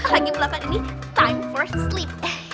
lagi belakang ini time for sleep